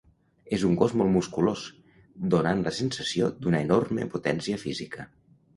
És un gos molt musculós, donant la sensació d'una enorme potència física.